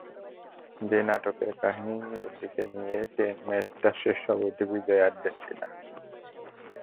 সেই নাটকের কাহিনি নিজেদের দিকে নিয়েই ম্যাচটায় শেষ অবধি বিজয়ী আর্জেন্টিনা।